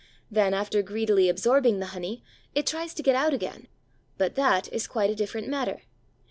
Then, after greedily absorbing the honey, it tries to get out again. But that is quite a different matter.